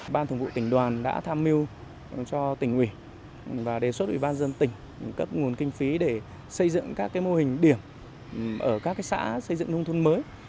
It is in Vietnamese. ban thường vụ tỉnh đoàn đã tham mưu cho tỉnh ủy và đề xuất ủy ban dân tỉnh cấp nguồn kinh phí để xây dựng các mô hình điểm ở các xã xây dựng nông thôn mới